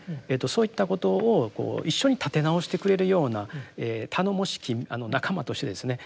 そういったことを一緒に立て直してくれるような頼もしき仲間としてですね